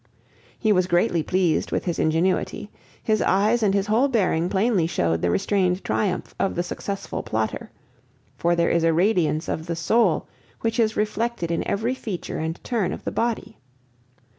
He was greatly pleased with his ingenuity; his eyes and his whole bearing plainly showed the restrained triumph of the successful plotter; for there is a radiance of the soul which is reflected in every feature and turn of the body.